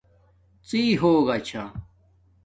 ڎی ہوگا چھا